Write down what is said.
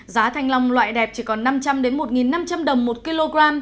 giá thanh long loại đẹp chỉ còn năm trăm linh một năm trăm linh đồng một kg